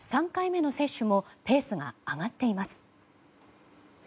３回目の接種もペースが上がっています。